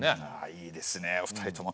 いいですねお二人とも。